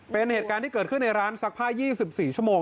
เป็นเหตุการณ์ที่เกิดขึ้นในร้านซักผ้า๒๔ชั่วโมง